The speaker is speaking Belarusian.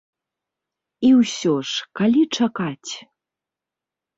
І ўсё ж, калі чакаць?